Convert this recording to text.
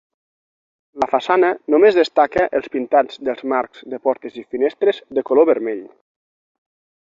La façana només destaca els pintats dels marcs de portes i finestres de color vermell.